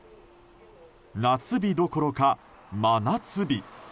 夏日どころか、真夏日。